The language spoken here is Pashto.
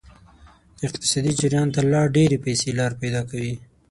اقتصادي جریان ته لا ډیرې پیسې لار پیدا کوي.